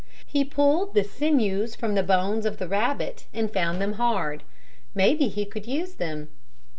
He pulled the sinews from the bones of the rabbit and found them hard. Maybe he could use them.